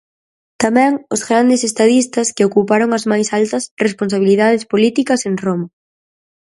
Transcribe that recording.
Tamén, os grandes estadistas que ocuparon as máis altas responsabilidades políticas en Roma.